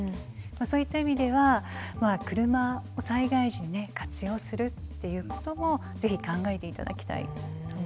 そういった意味では車を災害時に活用するっていうこともぜひ考えて頂きたいと思います。